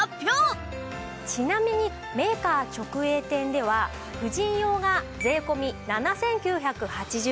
ちなみにメーカー直営店では婦人用が税込７９８０円。